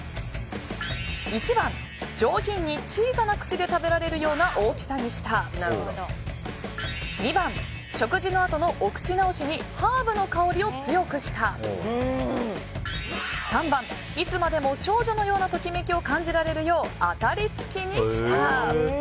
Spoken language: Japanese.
１番、上品に小さな口で食べられるような大きさにした２番、食事のあとのお口直しにハーブの香りを強くした３番、いつまでも少女のようなときめきを感じられるよう当たり付きにした。